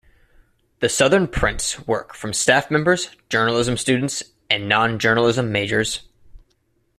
The Southern prints work from staff members, journalism students, and non-journalism majors.